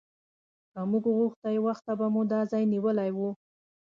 که موږ غوښتی وخته به مو دا ځای نیولی و.